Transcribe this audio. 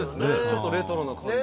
「ちょっとレトロな感じ」